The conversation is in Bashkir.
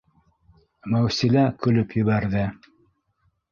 Мәүсилә көлөп ебәрҙе: